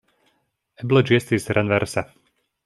Eble ĝi estis renverse.